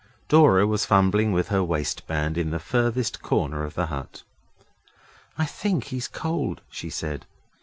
Dora was fumbling with her waistband in the furthest corner of the hut. 'I think he's cold,' she said.